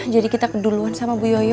kita keduluan sama bu yoyo